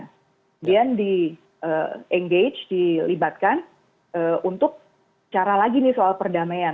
kemudian di engage dilibatkan untuk cara lagi nih soal perdamaian